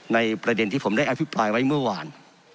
ประเด็นที่ผมได้อภิปรายไว้เมื่อวาน